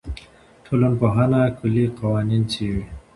ټولنپوهنه کلي قوانین څېړي.